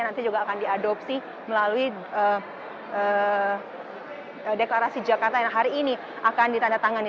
nanti juga akan diadopsi melalui deklarasi jakarta yang hari ini akan ditandatangani